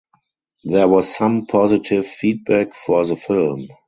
There was some positive feedback for the film.